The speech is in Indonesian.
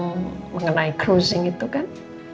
kalau kamu menggunakan kursi itu kan